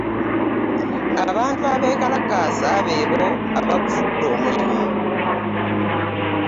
Abantu abeekalakaasa beebo abagufudde omulimu